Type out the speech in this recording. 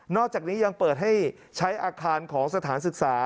อกจากนี้ยังเปิดให้ใช้อาคารของสถานศึกษา